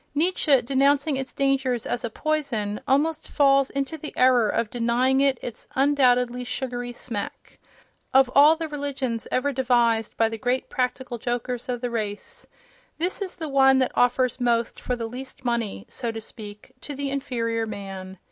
Nietzsche, denouncing its dangers as a poison, almost falls into the error of denying it its undoubtedly sugary smack. Of all the religions ever devised by the great practical jokers of the race, this is the one that offers most for the least money, so to speak, to the inferior man.